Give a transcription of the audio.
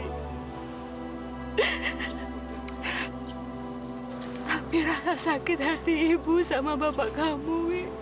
tapi rasa sakit hati ibu sama bapak kamu